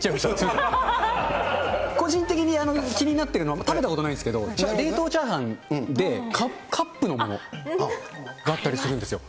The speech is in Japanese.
個人的に気になっているのが、食べたことないんですけれども、冷凍チャーハンで、カップのものがあったりするんですよ。